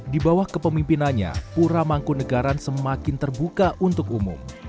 di bawah kepemimpinannya pura mangkunegaran semakin terbuka untuk umum